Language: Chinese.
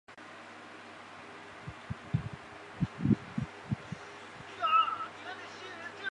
玉山考棚于清乾隆五十七年知县张兼山在旧址重建。